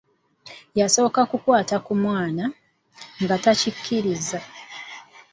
Yasooka kukwata ku mumwa, nga takikkiriza.